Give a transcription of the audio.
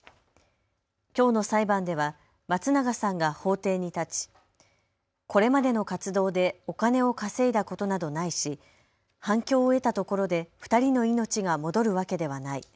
きょうの裁判では松永さんが法廷に立ちこれまでの活動でお金を稼いだことなどないし反響を得たところで２人の命が戻るわけではない。